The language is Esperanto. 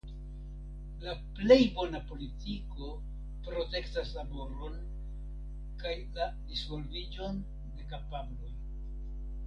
La plej bona politiko protektas laboron kaj la disvolviĝon de kapabloj.